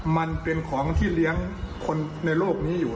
มันเป็นของที่เลี้ยงคนในโลกนี้อยู่